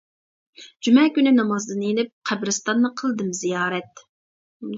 جۈمە كۈنى نامازدىن يېنىپ، قەبرىستاننى قىلدىم زىيارەت.